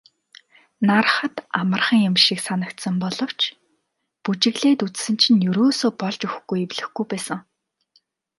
Hарахад амархан юм шиг санагдсан боловч бүжиглээд үзсэн чинь ерөөсөө болж өгөхгүй эвлэхгүй байсан.